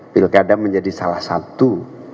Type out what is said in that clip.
pilkada menjadi salah satu